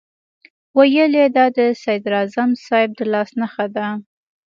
ویل یې دا د صدراعظم صاحب د لاس نښه ده.